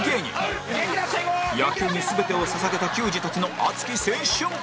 野球に全てを捧げた球児たちの熱き青春！